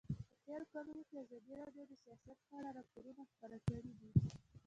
په تېرو کلونو کې ازادي راډیو د سیاست په اړه راپورونه خپاره کړي دي.